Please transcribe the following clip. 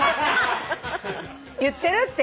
言ってるって。